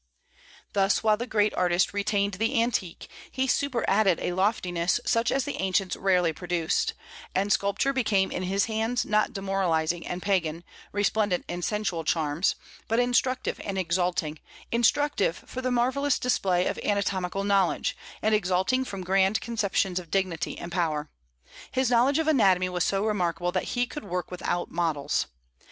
Thus while the great artist retained the antique, he superadded a loftiness such as the ancients rarely produced; and sculpture became in his hands, not demoralizing and Pagan, resplendent in sensual charms, but instructive and exalting, instructive for the marvellous display of anatomical knowledge, and exalting from grand conceptions of dignity and power. His knowledge of anatomy was so remarkable that he could work without models.